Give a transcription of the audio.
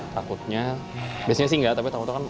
takutnya biasanya sih nggak tapi takutnya kan